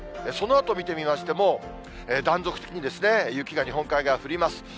そのあと見てみましても、断続的に雪が日本海側、降ります。